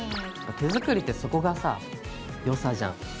手作りってそこがさよさじゃん。